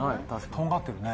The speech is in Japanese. とんがってるね。